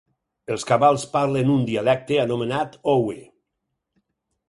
Els cabals parlen un dialecte anomenat owe.